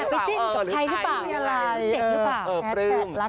ที่จะไปจิ้นกับใครหรือเปล่า